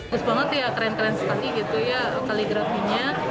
bagus banget ya keren keren sekali kaligrafinya